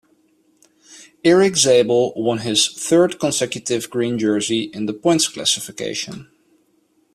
Erik Zabel won his third consecutive green jersey in the points classification.